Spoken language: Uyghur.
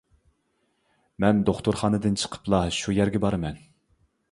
-مەن دوختۇرخانىدىن چىقىپلا شۇ يەرگە بارىمەن.